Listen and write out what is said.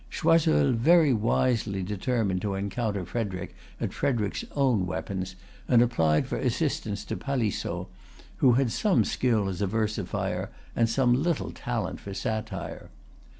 Choiseul very wisely determined to encounter Frederic at Frederic's own weapons, and applied for assistance to Palissot, who had some skill as a versifier, and some little talent for satire.